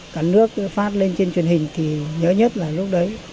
cả nước phát lên trên truyền hình thì nhớ nhất là lúc đấy